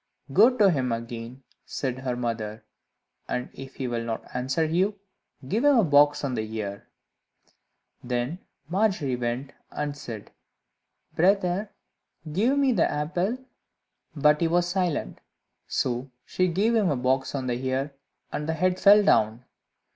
"Go to him again," said her mother, "and if he will not answer you, give him a box on the ear." Then Margery went, and said, "Brother, give me the apple." But he was silent, so she gave him a box on the ear, and the head fell down.